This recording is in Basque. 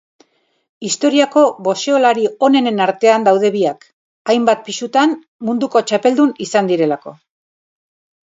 Historiako boxeolari onenen artean daude biak, hainbat pisutan munduko txapeldun izan direlako.